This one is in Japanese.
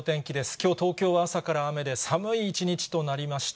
きょう、東京は朝から雨で、寒い一日となりました。